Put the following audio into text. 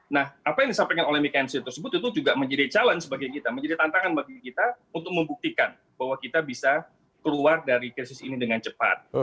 nah apa yang disampaikan oleh mckenzie tersebut itu juga menjadi tantangan bagi kita untuk membuktikan bahwa kita bisa keluar dari krisis ini dengan cepat